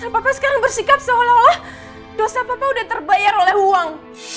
bapak sekarang bersikap seolah olah dosa papa udah terbayar oleh uang